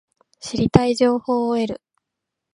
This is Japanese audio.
知りたい情報を得る